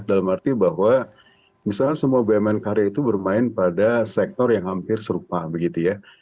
dalam arti bahwa misalnya semua bumn karya itu bermain pada sektor yang hampir serupa begitu ya